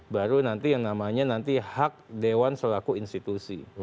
baru nanti yang namanya nanti hak dewan selaku institusi